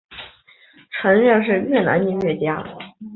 陈桓是越南音乐家。